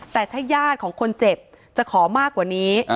แต่ถ้าญาติของคนเจ็บจะขอมากกว่านี้